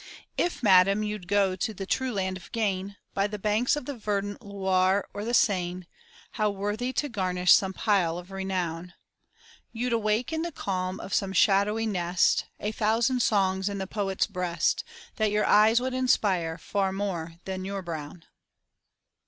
If, madam, you'd go to the true land of gain, By the banks of the verdant Loire or the Seine, How worthy to garnish some pile of renown. You'd awake in the calm of some shadowy nest, A thousand songs in the poet's breast, That your eyes would inspire far more than your brown.